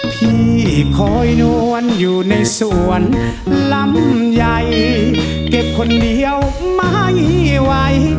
ที่คอยนวลอยู่ในสวนลำใหญ่เก็บคนเดียวไม่ไหว